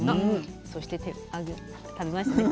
そして食べましたね。